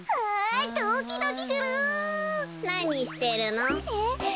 なにしてるの？え。